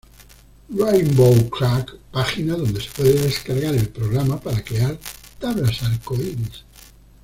Rainbow Crack página donde se puede descargar el programa para crear tablas arcoíris.